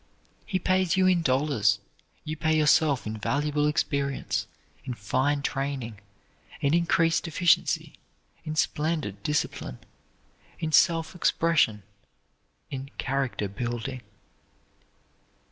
He pays you in dollars; you pay yourself in valuable experience, in fine training, in increased efficiency, in splendid discipline, in self expression, in character building.